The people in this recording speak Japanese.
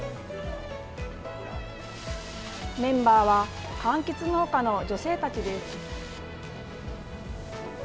メンバーはかんきつ農家の女性たちです。